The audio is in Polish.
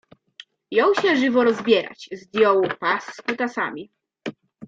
Jął się żywo rozbierać. Zdjął pas z kutasami